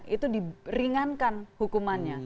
itu di ringankan hukumannya